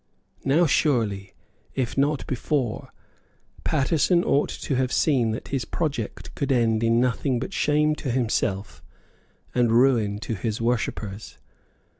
Now, surely, if not before, Paterson ought to have seen that his project could end in nothing but shame to himself and ruin to his worshippers.